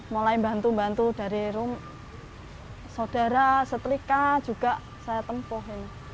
mulai bantu bantu dari rumah saudara setrika juga saya tempuh ini